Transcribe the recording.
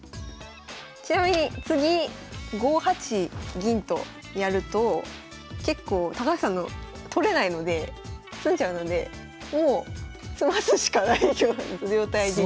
ちなみに次５八銀とやると結構高橋さんの取れないので詰んじゃうのでもう詰ますしかないような状態で。